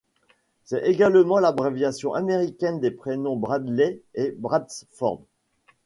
C'est également l'abréviation américaine des prénoms Bradley et Bradford.